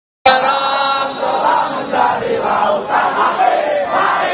selamat datang dari lautan haki